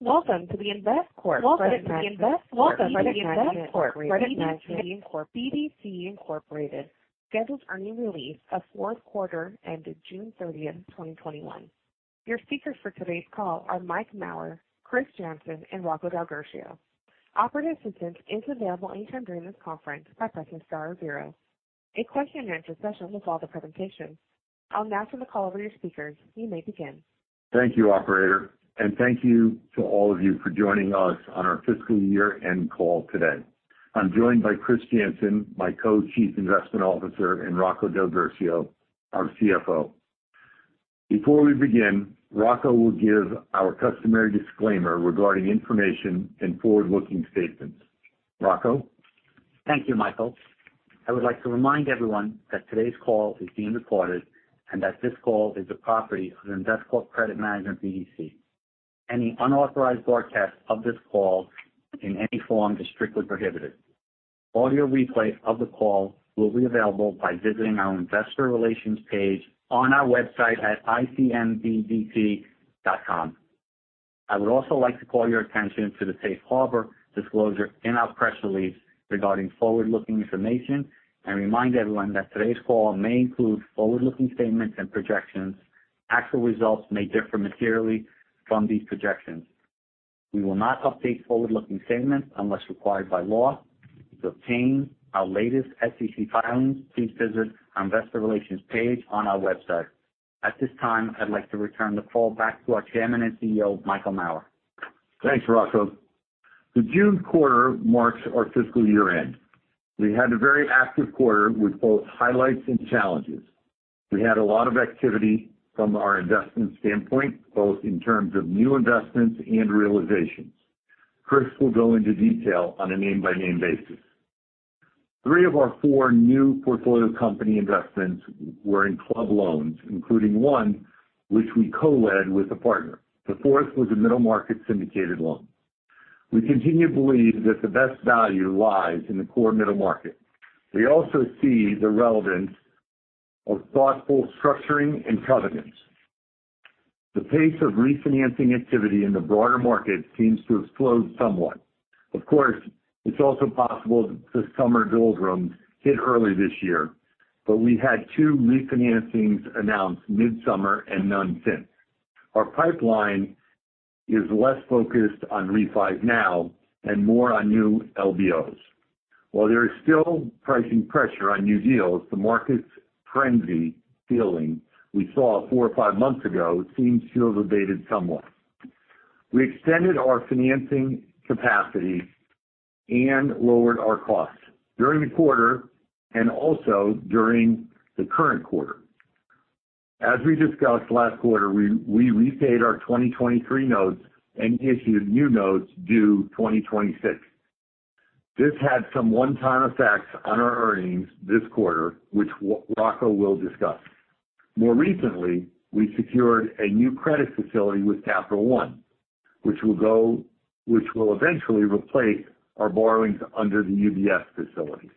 Welcome to the Investcorp Credit Management BDC Incorporated Scheduled Earnings Release of Fourth Quarter Ended June 30th, 2021. Your speakers for today's call are Mike Mauer, Chris Jansen, and Rocco DelGuercio. Operator assistance is available anytime during this conference by pressing star zero. A question-and-answer session will follow the presentation. I'll now turn the call over to your speakers. You may begin. Thank you, operator. Thank you to all of you for joining us on our fiscal year-end call today. I'm joined by Chris Jansen, my Co-Chief Investment Officer, and Rocco DelGuercio, our CFO. Before we begin, Rocco will give our customary disclaimer regarding information and forward-looking statements. Rocco? Thank you, Michael. I would like to remind everyone that today's call is being recorded and that this call is the property of Investcorp Credit Management BDC. Any unauthorized broadcast of this call in any form is strictly prohibited. Audio replay of the call will be available by visiting our investor relations page on our website at icmbdc.com. I would also like to call your attention to the safe harbor disclosure in our press release regarding forward-looking information and remind everyone that today's call may include forward-looking statements and projections. Actual results may differ materially from these projections. We will not update forward-looking statements unless required by law. To obtain our latest SEC filings, please visit our investor relations page on our website. At this time, I'd like to return the call back to our Chairman and CEO, Michael Mauer. Thanks, Rocco. The June quarter marks our fiscal year-end. We had a very active quarter with both highlights and challenges. We had a lot of activity from our investment standpoint, both in terms of new investments and realizations. Chris will go into detail on a name-by-name basis. Three of our four new portfolio company investments were in club loans, including one which we co-led with a partner. The fourth was a middle market syndicated loan. We continue to believe that the best value lies in the core middle market. We also see the relevance of thoughtful structuring and covenants. The pace of refinancing activity in the broader market seems to have slowed somewhat. Of course, it's also possible the summer doldrums hit early this year, but we had two refinancings announced mid-summer and none since. Our pipeline is less focused on refi now and more on new LBOs. While there is still pricing pressure on new deals, the market's frenzy feeling we saw four or five months ago seems to have abated somewhat. We extended our financing capacity and lowered our costs during the quarter and also during the current quarter. As we discussed last quarter, we repaid our 2023 notes and issued new notes due 2026. This had some one-time effects on our earnings this quarter, which Rocco will discuss. More recently, we secured a new credit facility with Capital One, which will eventually replace our borrowings under the UBS facility.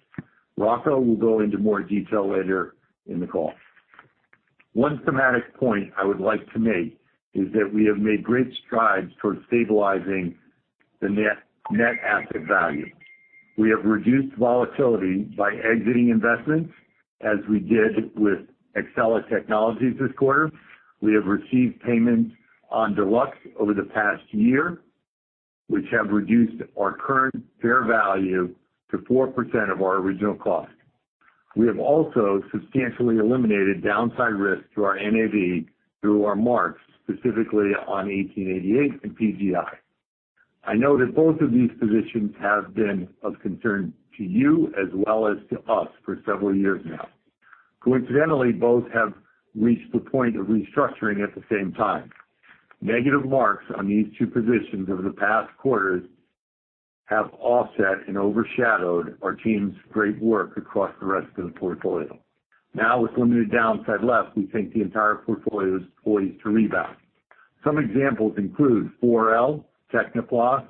Rocco will go into more detail later in the call. One thematic point I would like to make is that we have made great strides towards stabilizing the net asset value. We have reduced volatility by exiting investments, as we did with Exela Technologies this quarter. We have received payments on Deluxe over the past year, which have reduced our current fair value to 4% of our original cost. We have also substantially eliminated downside risk to our NAV through our marks, specifically on 1888 and PGi. I know that both of these positions have been of concern to you as well as to us for several years now. Coincidentally, both have reached the point of restructuring at the same time. Negative marks on these two positions over the past quarters have offset and overshadowed our team's great work across the rest of the portfolio. Now, with limited downside left, we think the entire portfolio is poised to rebound. Some examples include 4L, Techniplas,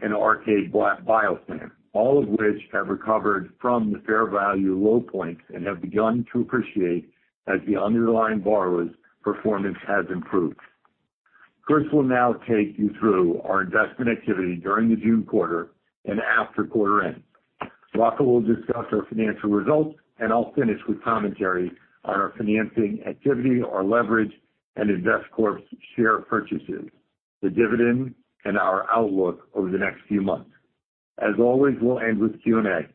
and Arcadia Biosciences, all of which have recovered from the fair value low points and have begun to appreciate as the underlying borrowers' performance has improved. Chris will now take you through our investment activity during the June quarter and after quarter end. Rocco will discuss our financial results, and I'll finish with commentary on our financing activity, our leverage, and Investcorp's share purchases, the dividend, and our outlook over the next few months. As always, we'll end with Q&A.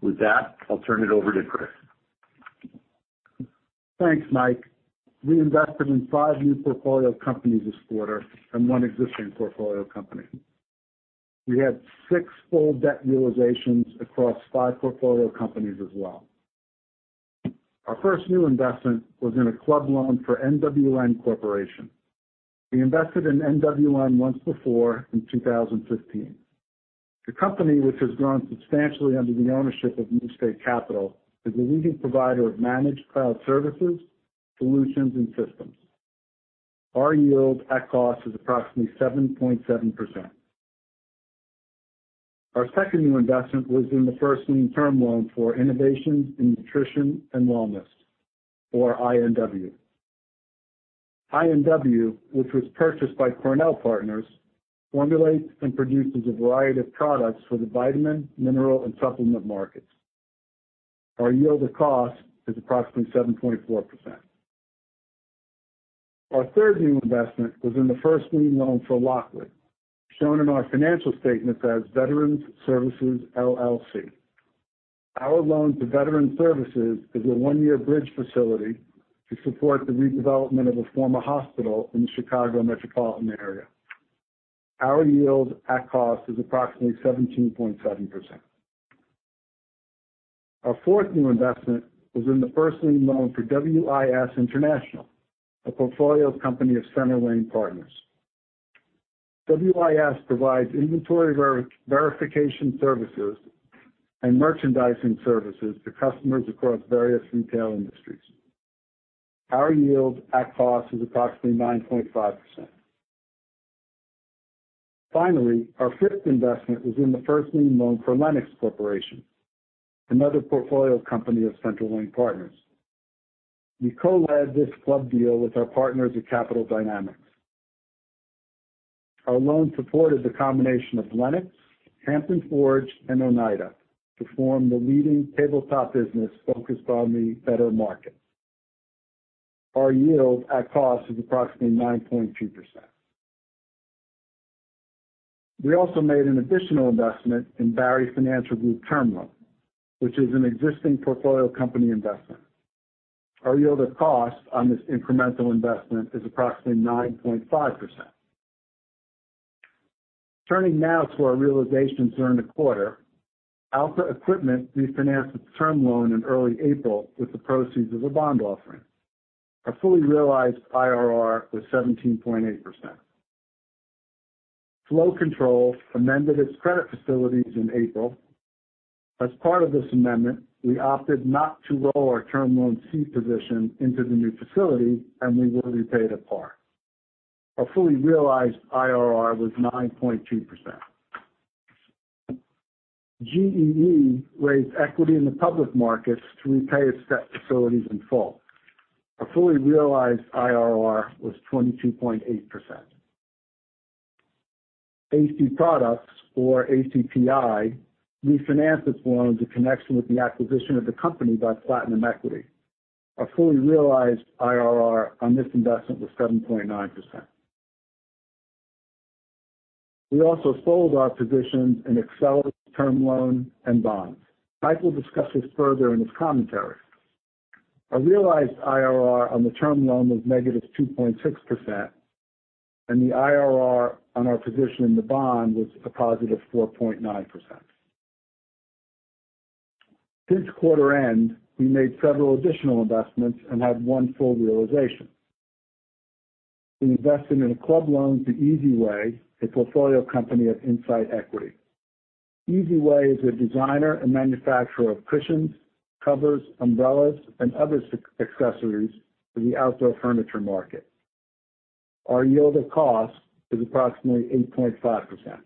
With that, I'll turn it over to Chris. Thanks, Mike. We invested in five new portfolio companies this quarter and one existing portfolio company. We had six full debt utilizations across five portfolio companies as well. Our first new investment was in a club loan for NWN Corporation. We invested in NWN once before in 2015. The company, which has grown substantially under the ownership of New State Capital, is a leading provider of managed cloud services, solutions, and systems. Our yield at cost is approximately 7.7%. Our second new investment was in the first lien term loan for Innovations in Nutrition and Wellness, or INW. INW, which was purchased by Cornell Partners, formulates and produces a variety of products for the vitamin, mineral, and supplement markets. Our yield at cost is approximately 7.4%. Our third new investment was in the first lien loan for Lockwood, shown in our financial statements as Veteran Services, LLC. Our loan to Veteran Services is a one-year bridge facility to support the redevelopment of a former hospital in the Chicago metropolitan area. Our yield at cost is approximately 17.7%. Our fourth new investment was in the first lien loan for WIS International, a portfolio company of Centre Lane Partners. WIS provides inventory verification services and merchandising services to customers across various retail industries. Our yield at cost is approximately 9.5%. Finally, our fifth investment was in the first lien loan for Lenox Corporation, another portfolio company of Centre Lane Partners. We co-led this club deal with our partners at Capital Dynamics. Our loan supported the combination of Lenox, Hampton Forge, and Oneida to form the leading tabletop business focused on the better markets. Our yield at cost is approximately 9.2%. We also made an additional investment in Barri Financial Group term loan, which is an existing portfolio company investment. Our yield of cost on this incremental investment is approximately 9.5%. Turning now to our realizations during the quarter. Alta Equipment refinanced its term loan in early April with the proceeds of a bond offering. Our fully realized IRR was 17.8%. Flow Control amended its credit facilities in April. As part of this amendment, we opted not to roll our term loan C position into the new facility, and we were repaid at par. Our fully realized IRR was 9.2%. GEE raised equity in the public markets to repay its debt facilities in full. Our fully realized IRR was 22.8%. ACProducts, or acpi, refinanced its loan in connection with the acquisition of the company by Platinum Equity. Our fully realized IRR on this investment was 7.9%. We also sold our positions in Accela term loan and bonds. Mike will discuss this further in his commentary. Our realized IRR on the term loan was -2.6%, and the IRR on our position in the bond was a +4.9%. Since quarter end, we made several additional investments and had one full realization. We invested in a club loan to Easy Way, a portfolio company of Insight Equity. Easy Way is a designer and manufacturer of cushions, covers, umbrellas, and other accessories for the outdoor furniture market. Our yield of cost is approximately 8.5%.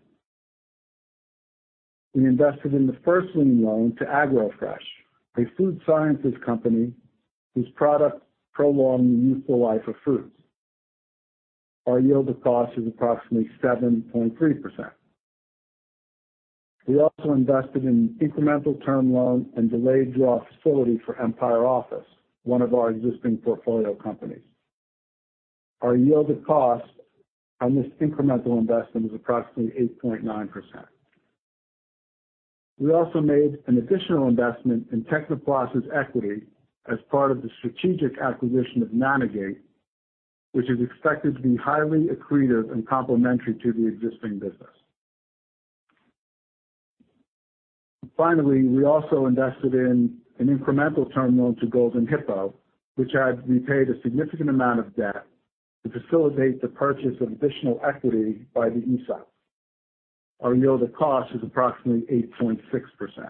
We invested in the first lien loan to AgroFresh, a food sciences company whose products prolong the useful life of fruits. Our yield of cost is approximately 7.3%. We also invested in incremental term loans and delayed draw facility for Empire Office, one of our existing portfolio companies. Our yield of cost on this incremental investment is approximately 8.9%. We also made an additional investment in Techniplas' equity as part of the strategic acquisition of Nanogate, which is expected to be highly accretive and complementary to the existing business. Finally, we also invested in an incremental term loan to Golden Hippo, which had repaid a significant amount of debt to facilitate the purchase of additional equity by the ESOP. Our yield of cost is approximately 8.6%.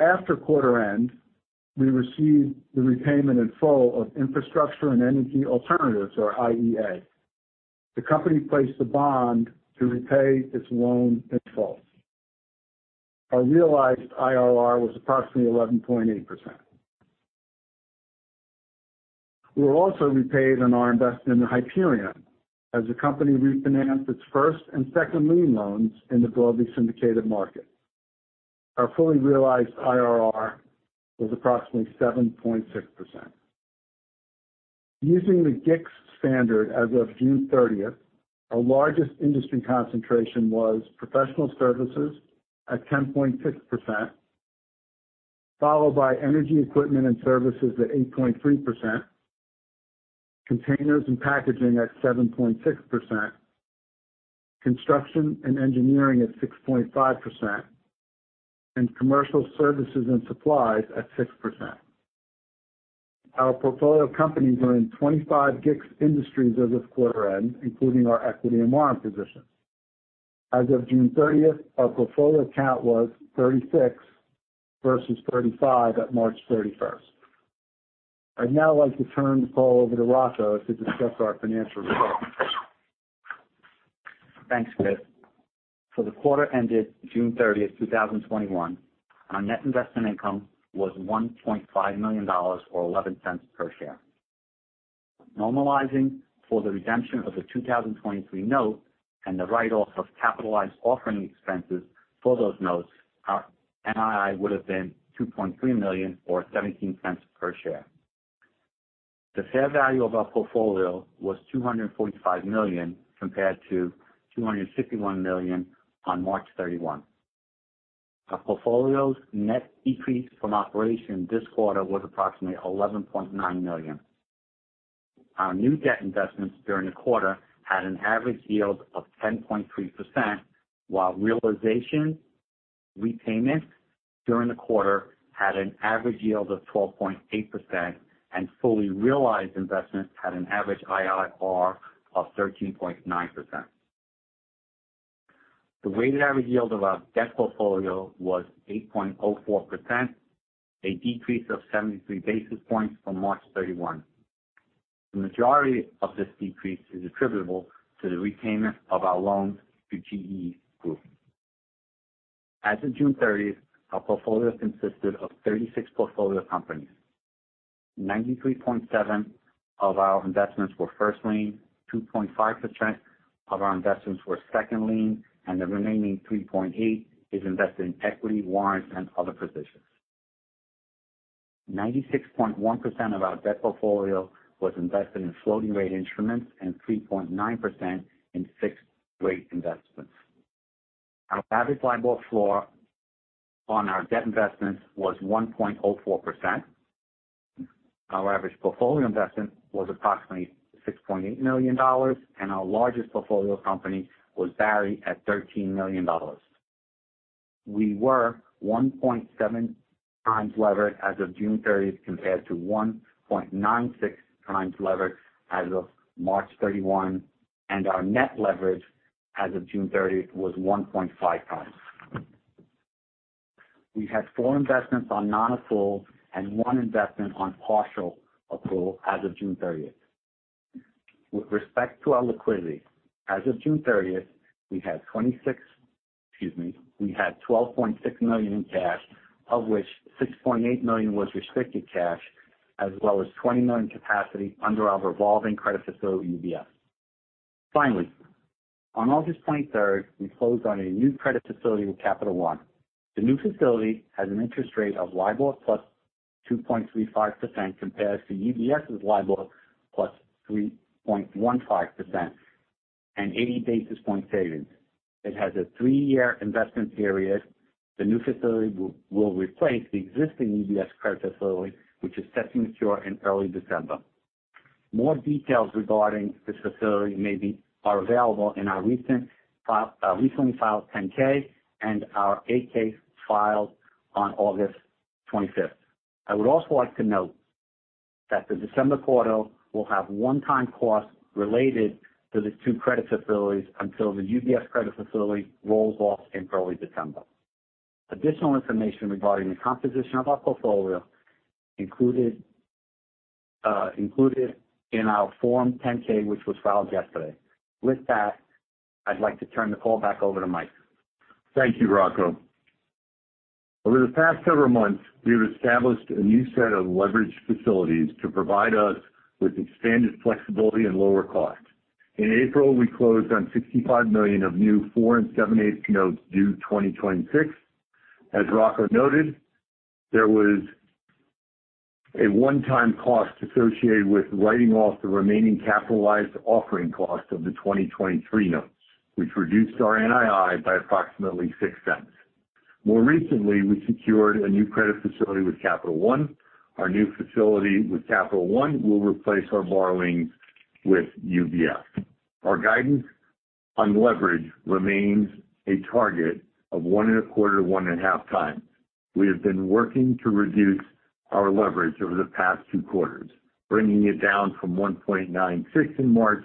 After quarter end, we received the repayment in full of Infrastructure and Energy Alternatives, or IEA. The company placed a bond to repay its loan in full. Our realized IRR was approximately 11.8%. We were also repaid on our investment in Hyperion as the company refinanced its first and second lien loans in the broadly syndicated market. Our fully realized IRR was approximately 7.6%. Using the GICS standard as of June 30th, our largest industry concentration was professional services at 10.6%, followed by energy equipment and services at 8.3%, containers and packaging at 7.6%, construction and engineering at 6.5%, and commercial services and supplies at 6%. Our portfolio companies are in 25 GICS industries as of quarter end, including our equity and warrant positions. As of June 30th, our portfolio count was 36 versus 35 at March 31st. I'd now like to turn the call over to Rocco to discuss our financial results. Thanks, Chris. For the quarter ended June 30th, 2021, our net investment income was $1.5 million, or $0.11 per share. Normalizing for the redemption of the 2023 note and the write-off of capitalized offering expenses for those notes, our NII would have been $2.3 million, or $0.17 per share. The fair value of our portfolio was $245 million, compared to $261 million on March 31. Our portfolio's net decrease from operation this quarter was approximately $11.9 million. Our new debt investments during the quarter had an average yield of 10.3%, while realization repayments during the quarter had an average yield of 12.8%, and fully realized investments had an average IRR of 13.9%. The weighted average yield of our debt portfolio was 8.04%, a decrease of 73 basis points from March 31. The majority of this decrease is attributable to the repayment of our loans to GEE Group. As of June 30th, our portfolio consisted of 36 portfolio companies. 93.7% of our investments were first lien, 2.5% of our investments were second lien, and the remaining 3.8% is invested in equity, warrants, and other positions. 96.1% of our debt portfolio was invested in floating rate instruments and 3.9% in fixed-rate investments. Our average LIBOR floor on our debt investments was 1.04%. Our average portfolio investment was approximately $6.8 million, and our largest portfolio company was Barri at $13 million. We were 1.7x levered as of June 30th, compared to 1.96x levered as of March 31, and our net leverage as of June 30th was 1.5x. We had four investments on non-accrual and one investment on partial accrual as of June 30th. With respect to our liquidity, as of June 30th, we had $12.6 million in cash, of which $6.8 million was restricted cash, as well as $20 million capacity under our revolving credit facility with UBS. On August 23rd, we closed on a new credit facility with Capital One. The new facility has an interest rate of LIBOR plus 2.35%, compared to UBS's LIBOR plus 3.15%, an 80 basis point saving. It has a three-year investment period. The new facility will replace the existing UBS credit facility, which is set to mature in early December. More details regarding this facility are available in our recently filed 10-K and our 8-K filed on August 25th. I would also like to note that the December quarter will have one-time costs related to the two credit facilities until the UBS credit facility rolls off in early December. Additional information regarding the composition of our portfolio included in our Form 10-K, which was filed yesterday. With that, I'd like to turn the call back over to Mike. Thank you, Rocco. Over the past several months, we have established a new set of leverage facilities to provide us with expanded flexibility and lower costs. In April, we closed on $65 million of new four and seven-eighths notes due 2026. As Rocco noted, there was a one-time cost associated with writing off the remaining capitalized offering cost of the 2023 notes, which reduced our NII by approximately $0.06. More recently, we secured a new credit facility with Capital One. Our new facility with Capital One will replace our borrowing with UBS. Our guidance on leverage remains a target of 1.25x-1.5x. We have been working to reduce our leverage over the past two quarters, bringing it down from 1.96x in March,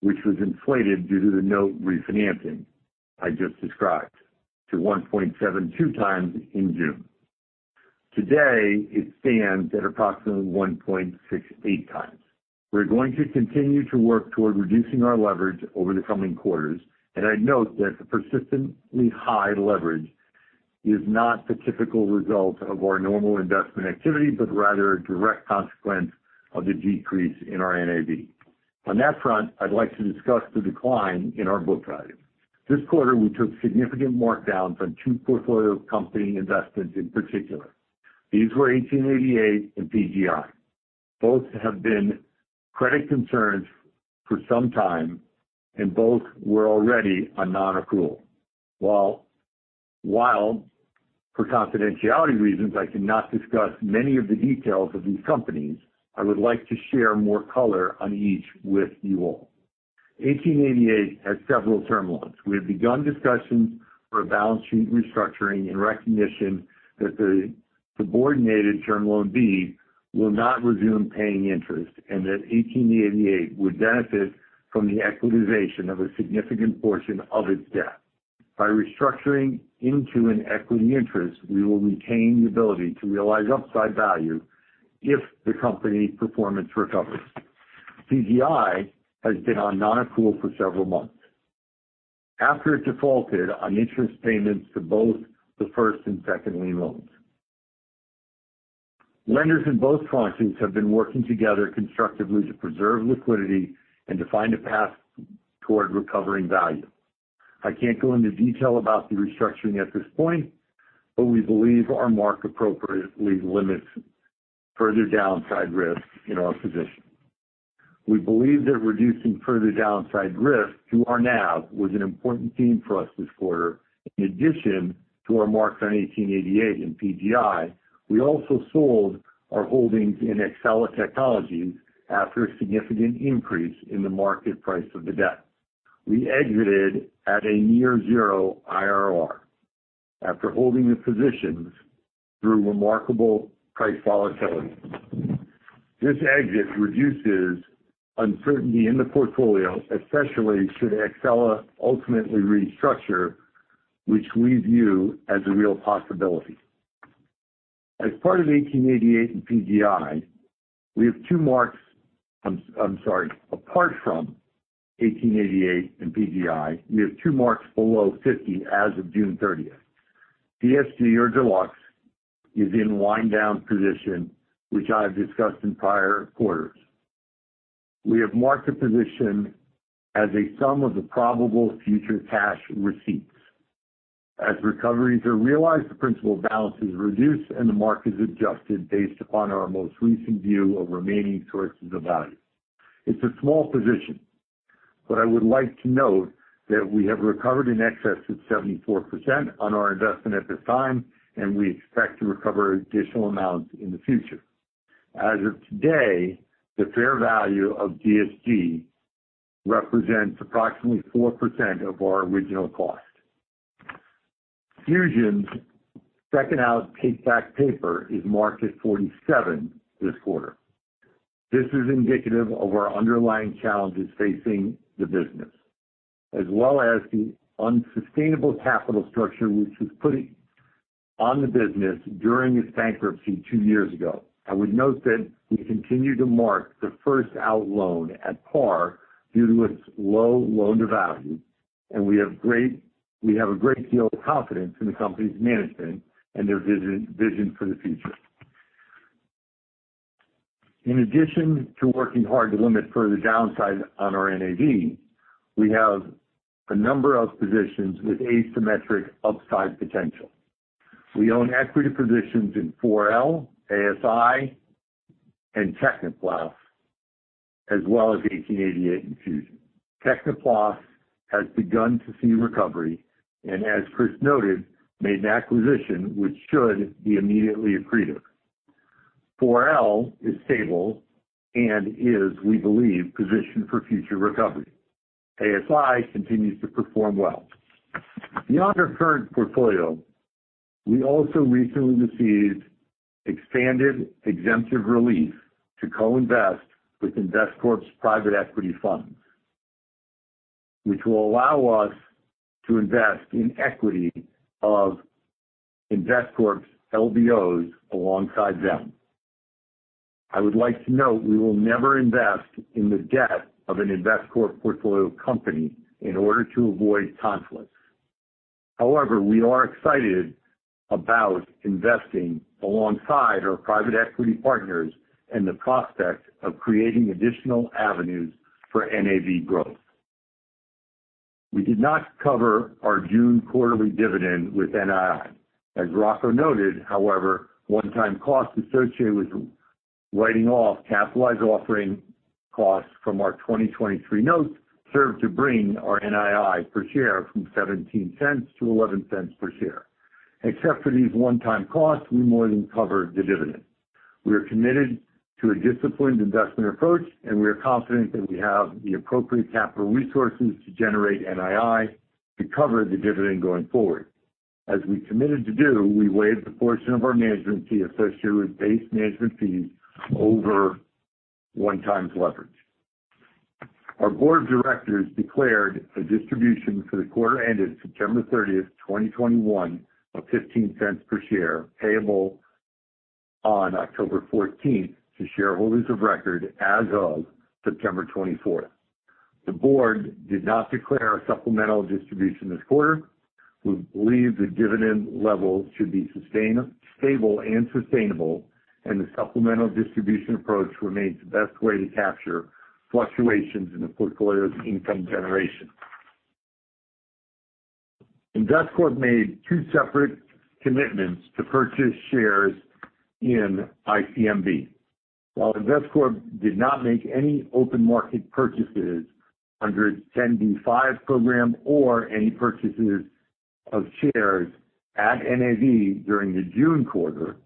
which was inflated due to the note refinancing I just described, to 1.72x in June. Today, it stands at approximately 1.68x. We're going to continue to work toward reducing our leverage over the coming quarters, and I'd note that the persistently high leverage is not the typical result of our normal investment activity, but rather a direct consequence of the decrease in our NAV. On that front, I'd like to discuss the decline in our book value. This quarter, we took significant markdowns on two portfolio company investments in particular. These were 1888 and PGi. Both have been credit concerns for some time, and both were already on non-accrual. While for confidentiality reasons, I cannot discuss many of the details of these companies, I would like to share more color on each with you all. 1888 has several term loans. We have begun discussions for a balance sheet restructuring and recognition that the subordinated Term Loan B will not resume paying interest and that 1888 would benefit from the equitization of a significant portion of its debt. By restructuring into an equity interest, we will retain the ability to realize upside value if the company performance recovers. PGi has been on non-accrual for several months after it defaulted on interest payments to both the first and second lien loans. Lenders in both tranches have been working together constructively to preserve liquidity and to find a path toward recovering value. I can't go into detail about the restructuring at this point, but we believe our mark appropriately limits further downside risk in our position. We believe that reducing further downside risk to our NAV was an important theme for us this quarter. In addition to our marks on 1888 and PGi, we also sold our holdings in Accela Technologies after a significant increase in the market price of the debt. We exited at a near zero IRR after holding the positions through remarkable price volatility. This exit reduces uncertainty in the portfolio, especially should Accela ultimately restructure, which we view as a real possibility. As part of 1888 and PGi, we have two marks. I'm sorry. Apart from 1888 and PGi, we have two marks below 50 as of June 30th. DSG or Deluxe is in wind down position, which I've discussed in prior quarters. We have marked the position as a sum of the probable future cash receipts. As recoveries are realized, the principal balance is reduced, and the mark is adjusted based upon our most recent view of remaining sources of value. It's a small position. I would like to note that we have recovered in excess of 74% on our investment at this time. We expect to recover additional amounts in the future. As of today, the fair value of DSG represents approximately 4% of our original cost. Fusion's second out take-back paper is marked at 47 this quarter. This is indicative of our underlying challenges facing the business, as well as the unsustainable capital structure which was put on the business during its bankruptcy two years ago. I would note that we continue to mark the first out loan at par due to its low loan-to-value. We have a great deal of confidence in the company's management and their vision for the future. In addition to working hard to limit further downside on our NAV, we have a number of positions with asymmetric upside potential. We own equity positions in 4L, ASI, and Techniplas, as well as 1888 and Fusion. Techniplas has begun to see recovery and made an acquisition which should be immediately accretive. 4L is stable and is, we believe, positioned for future recovery. ASI continues to perform well. Beyond our current portfolio, we also recently received expanded exemptive relief to co-invest with Investcorp's private equity funds, which will allow us to invest in equity of Investcorp's LBOs alongside them. I would like to note we will never invest in the debt of an Investcorp portfolio company in order to avoid conflicts. We are excited about investing alongside our private equity partners and the prospect of creating additional avenues for NAV growth. We did not cover our June quarterly dividend with NII. As Rocco noted, however, one-time costs associated with writing off capitalized offering costs from our 2023 notes served to bring our NII per share from $0.17 to $0.11 per share. Except for these one-time costs, we more than covered the dividend. We are committed to a disciplined investment approach, and we are confident that we have the appropriate capital resources to generate NII to cover the dividend going forward. As we committed to do, we waived the portion of our management fee associated with base management fees over 1x leverage. Our board of directors declared a distribution for the quarter ended September 30th, 2021 of $0.15 per share, payable on October 14th to shareholders of record as of September 24th. The board did not declare a supplemental distribution this quarter. We believe the dividend levels should be stable and sustainable, the supplemental distribution approach remains the best way to capture fluctuations in the portfolio's income generation. Investcorp made two separate commitments to purchase shares in ICMB. While Investcorp did not make any open market purchases under its 10b5 program or any purchases of shares at NAV during the June quarter,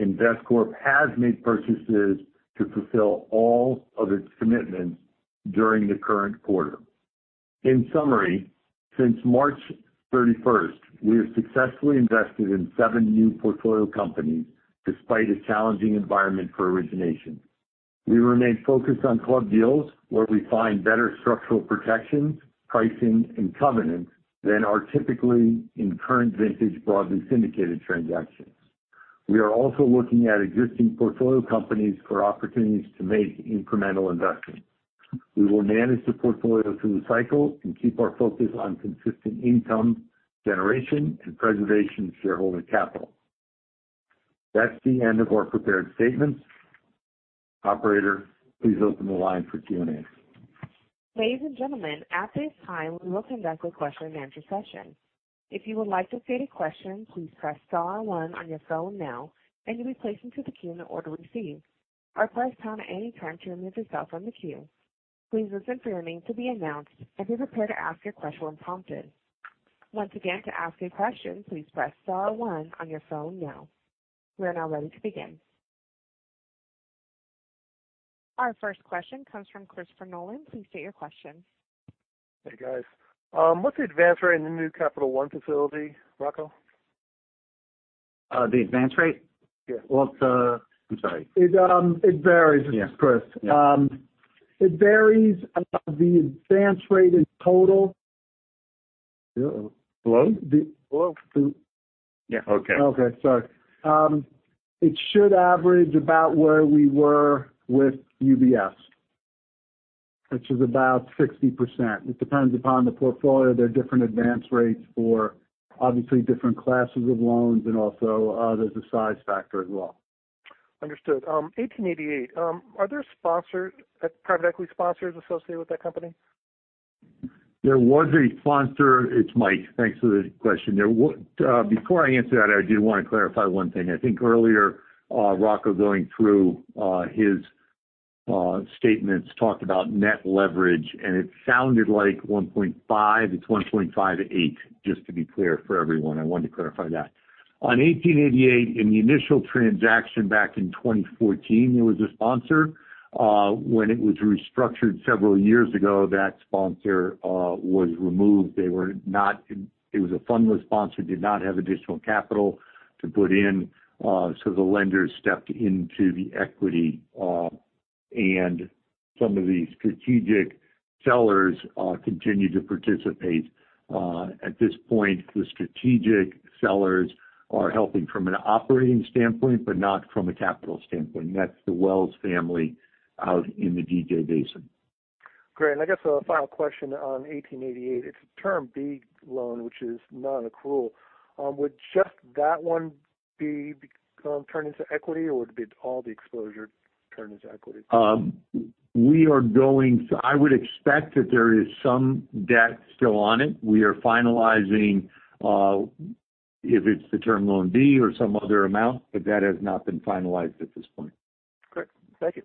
Investcorp has made purchases to fulfill all of its commitments during the current quarter. In summary, since March 31st, we have successfully invested in seven new portfolio companies despite a challenging environment for origination. We remain focused on club deals where we find better structural protections, pricing, and covenants than are typically in current vintage broadly syndicated transactions. We are also looking at existing portfolio companies for opportunities to make incremental investments. We will manage the portfolio through the cycle and keep our focus on consistent income generation and preservation of shareholder capital. That's the end of our prepared statements. Operator, please open the line for Q&A. Ladies and gentlemen, at this time, we will conduct a question-and-answer session. If you would like to ask a question please press star one on your phone now and you'll be placed into the queue in order to receive or press pound at any time to remove yourself from the queue. Please listen for your name to be announced and be prepared to ask your question when prompted. Once again to ask a question please press star one on your phone now. We're now ready to begin. Our first question comes from Christopher Nolan. Please state your question. Hey, guys. What's the advance rate in the new Capital One facility, Rocco? The advance rate? Yeah. I'm sorry. It varies, Chris. Yeah. It varies. Hello? Hello? Yeah. Okay. Okay. Sorry. It should average about where we were with UBS, which is about 60%. It depends upon the portfolio. There are different advance rates for obviously different classes of loans and also, there's a size factor as well. Understood. 1888, are there private equity sponsors associated with that company? There was a sponsor. It's Mike. Thanks for the question. Before I answer that, I do want to clarify one thing. I think earlier, Rocco going through his statements talked about net leverage, and it sounded like 1.5 to 1.58. Just to be clear for everyone, I wanted to clarify that. On 1888 in the initial transaction back in 2014, there was a sponsor. When it was restructured several years ago, that sponsor was removed. It was a fundless sponsor, did not have additional capital to put in, so the lenders stepped into the equity. Some of the strategic sellers continue to participate. At this point, the strategic sellers are helping from an operating standpoint but not from a capital standpoint. That's the Wells family out in the DJ Basin. Great. I guess a final question on 1888. It's a Term B Loan, which is non-accrual. Would just that one turn into equity, or would all the exposure turn into equity? I would expect that there is some debt still on it. We are finalizing if it's the Term Loan B or some other amount, but that has not been finalized at this point. Great. Thank you.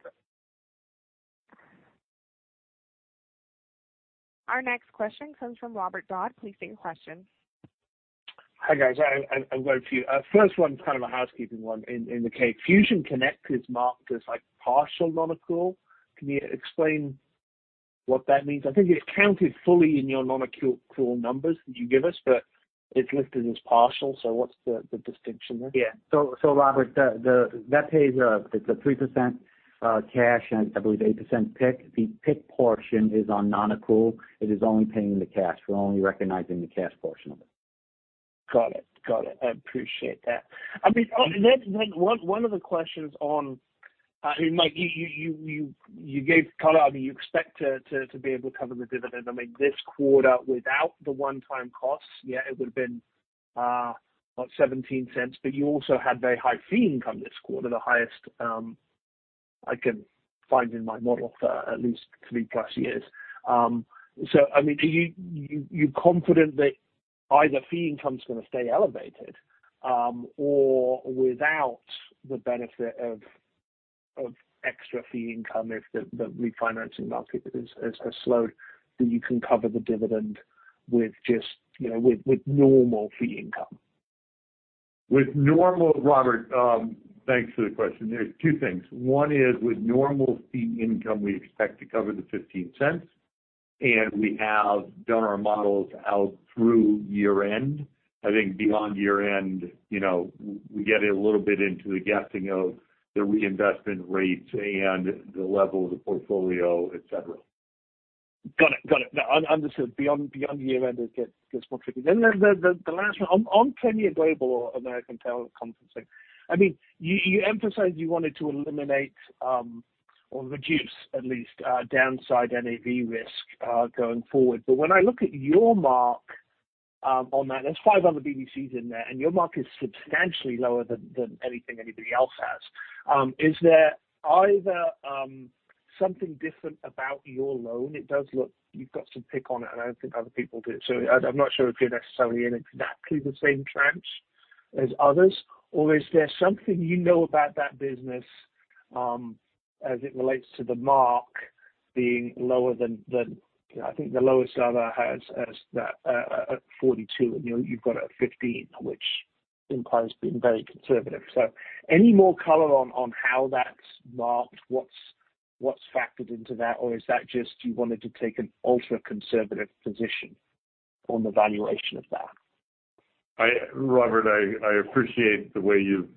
Our next question comes from Robert Dodd. Please state your question. Hi, guys. I've got a few. First one's kind of a housekeeping one. In the Fusion Connect is marked as partial non-accrual. Can you explain what that means? I think it's counted fully in your non-accrual numbers that you give us, but it's listed as partial, so what's the distinction there? Yeah. Robert, that pays a 3% cash and I believe 8% PIK. The PIK portion is on non-accrual. It is only paying the cash. We're only recognizing the cash portion of it. Got it. I appreciate that. One of the questions Mike, you gave color. You expect to be able to cover the dividend. This quarter without the one-time costs, it would've been, what, $0.17? You also had very high fee income this quarter, the highest I can find in my model for at least three plus years. Are you confident that either fee income is going to stay elevated or without the benefit of extra fee income if the refinancing market has slowed, that you can cover the dividend with normal fee income? Robert, thanks for the question. There is two things. One is with normal fee income, we expect to cover the $0.15, and we have done our models out through year-end. I think beyond year-end, we get a little bit into the guessing of the reinvestment rates and the level of the portfolio, etc. Got it. Understood. Beyond year-end, it gets more tricky. The last one. On Premier Global or American Teleconferencing. You emphasized you wanted to eliminate or reduce at least downside NAV risk going forward. When I look at your mark on that, there's five other BDCs in there, and your mark is substantially lower than anything anybody else has. Is there either something different about your loan? It does look you've got some PIK on it, and I don't think other people do. I'm not sure if you're necessarily in exactly the same tranche as others. Is there something you know about that business as it relates to the mark being lower than? I think the lowest other has that at 42, and you've got it at 15, which implies being very conservative. Any more color on how that's marked? What's factored into that? Is that just you wanted to take an ultra-conservative position on the valuation of that? Robert, I appreciate the way you've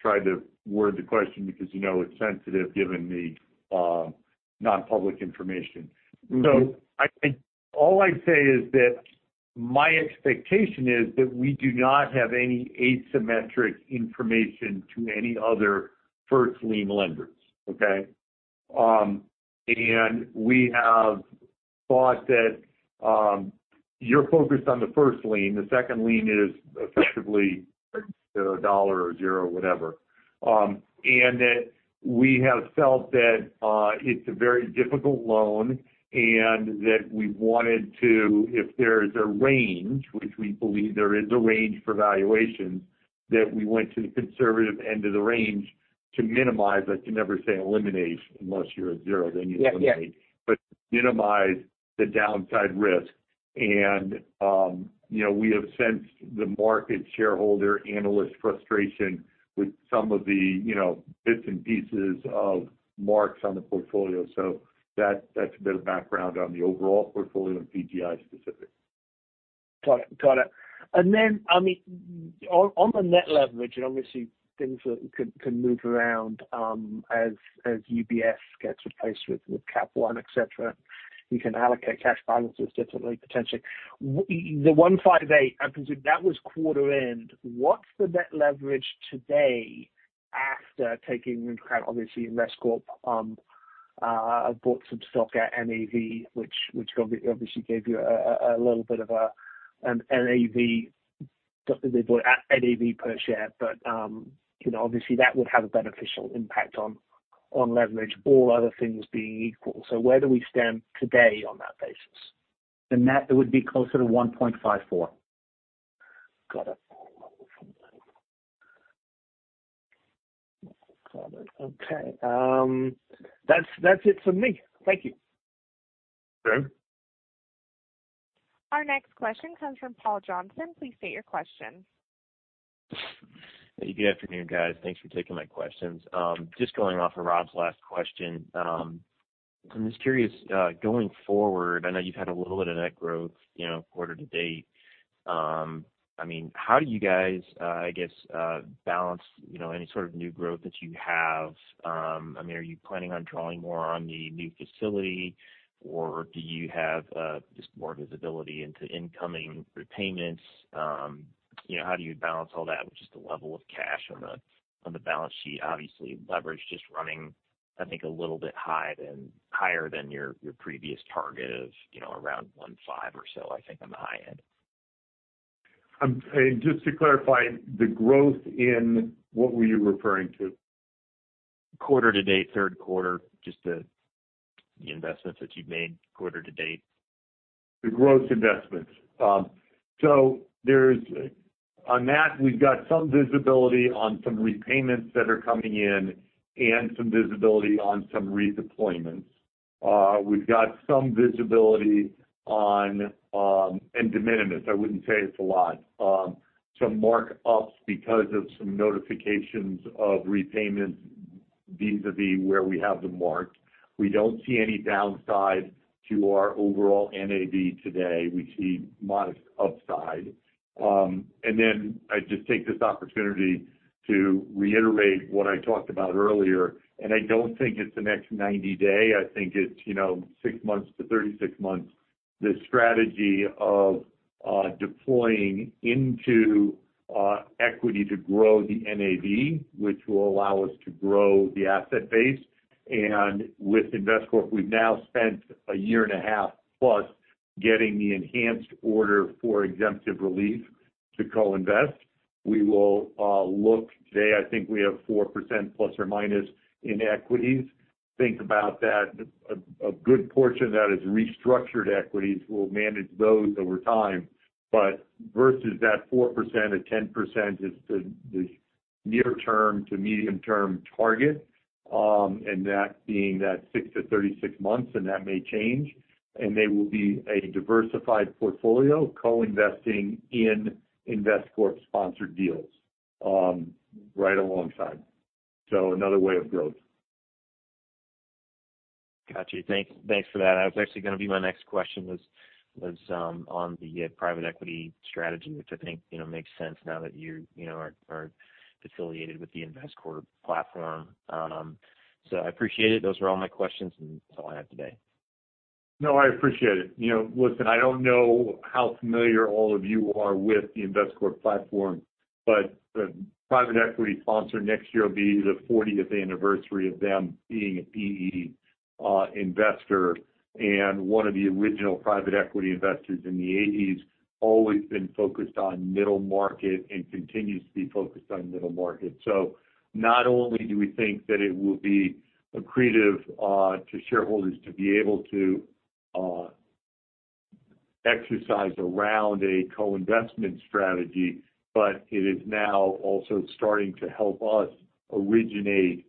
tried to word the question because you know it's sensitive given the non-public information. All I say is that my expectation is that we do not have any asymmetric information to any other first lien lenders. Okay? We have thought that you're focused on the first lien. The second lien is effectively $1 or zero, whatever. That we have felt that, it's a very difficult loan and that we wanted to, if there's a range, which we believe there is a range for valuations, that we went to the conservative end of the range to minimize, I can never say eliminate, unless you're at zero, then you eliminate. Yes. Minimize the downside risk. We have sensed the market shareholder analyst frustration with some of the bits and pieces of marks on the portfolio. That's a bit of background on the overall portfolio and PGi specific. Got it. Then, on the net leverage, and obviously things that can move around, as UBS gets replaced with Capital One, etc., you can allocate cash balances differently, potentially. The 1.58, I presume that was quarter end. What's the net leverage today after taking into account, obviously, Investcorp, bought some stock at NAV, which obviously gave you a little bit of an NAV per share. Obviously that would have a beneficial impact on leverage, all other things being equal. Where do we stand today on that basis? The net, it would be closer to 1.54. Got it. Okay. That's it for me. Thank you. Sure. Our next question comes from Paul Johnson. Please state your question. Hey, good afternoon, guys. Thanks for taking my questions. Just going off of Rob's last question. I'm just curious, going forward, I know you've had a little bit of net growth, quarter to date. How do you guys, I guess, balance any sort of new growth that you have? Are you planning on drawing more on the new facility or do you have, just more visibility into incoming repayments? How do you balance all that with just the level of cash on the balance sheet? Obviously, leverage just running, I think, a little bit higher than your previous target of around 1.5 or so, I think on the high end. Just to clarify, the growth in, what were you referring to? Quarter to date, third quarter, just the investments that you've made quarter to date? The growth investments. On that, we've got some visibility on some repayments that are coming in and some visibility on some redeployments. We've got some visibility on, and de minimis, I wouldn't say it's a lot, some markups because of some notifications of repayments vis-a-vis where we have them marked. We don't see any downside to our overall NAV today. We see modest upside. I just take this opportunity to reiterate what I talked about earlier, and I don't think it's the next 90-day. I think it's 6 months to 36 months, this strategy of deploying into equity to grow the NAV, which will allow us to grow the asset base. With Investcorp, we've now spent a year and a half plus getting the enhanced order for exemptive relief to co-invest. We will look today, I think we have 4%± in equities. Think about that. A good portion of that is restructured equities. We'll manage those over time. Versus that 4% or 10% is the near term to medium term target. That being that 6 to 36 months, that may change. They will be a diversified portfolio co-investing in Investcorp sponsored deals, right alongside. Another way of growth. Got you. Thanks for that. That was actually going to be my next question was on the private equity strategy, which I think makes sense now that you are affiliated with the Investcorp platform. I appreciate it. Those are all my questions and that's all I have today. No, I appreciate it. Listen, I don't know how familiar all of you are with the Investcorp platform, but the private equity sponsor next year will be the 40th anniversary of them being a PE investor and one of the original private equity investors in the '80s, always been focused on middle market and continues to be focused on middle market. Not only do we think that it will be accretive to shareholders to be able to exercise around a co-investment strategy, but it is now also starting to help us originate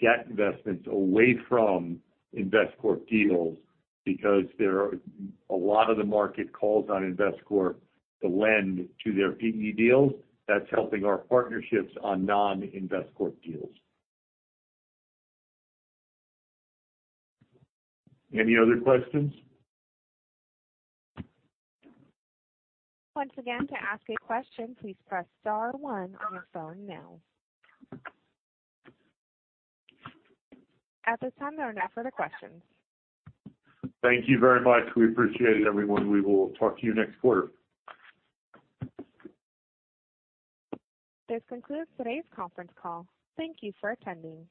debt investments away from Investcorp deals because a lot of the market calls on Investcorp to lend to their PE deals. That's helping our partnerships on non-Investcorp deals. Any other questions? Once again, to ask a question, please press star one on your phone now. At this time, there are no further questions. Thank you very much. We appreciate it, everyone. We will talk to you next quarter. This concludes today's conference call. Thank you for attending.